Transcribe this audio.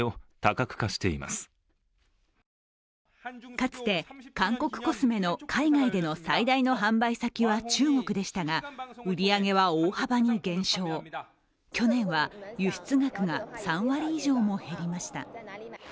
かつて韓国コスメの海外での最大の販売先は中国でしたが売り上げは大幅に減少、去年は輸出額が３割以上も減りました。